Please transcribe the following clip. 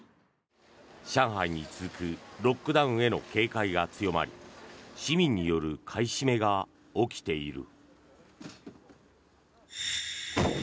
上海に続くロックダウンへの警戒が強まり市民による買い占めが起きている。